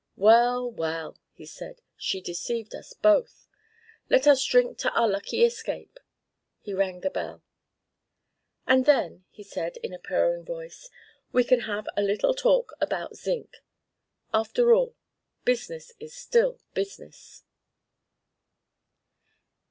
"Well, well," he said, "she deceived us both. Let us drink to our lucky escape." He rang the bell. "And then," he said in a purring voice, "we can have a little talk about zinc. After all, business is still business."